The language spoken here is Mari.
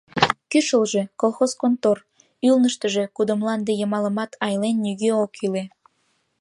Кӱшылжӧ — колхоз контор, ӱлныштыжӧ, кудо мланде йымалымат айлен, нигӧ ок иле.